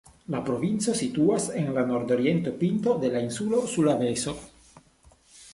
La provinco situas en la nordorienta pinto de la insulo Sulaveso.